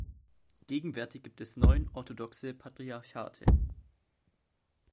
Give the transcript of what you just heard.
Gegenwärtig gibt es neun orthodoxe Patriarchate.